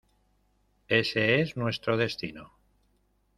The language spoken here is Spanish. Ése es nuestro destino